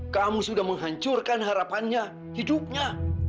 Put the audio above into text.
kamu sudah menghancurkan harapannya hidupnya